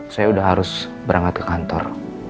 saya sudah harus berangkat ke kantor